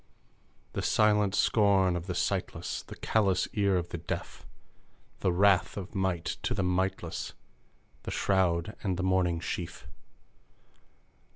The Silent scorn of the sightless! The callous ear of the deaf! The wrath of Might to the mightless! The shroud and the mourning sheaf!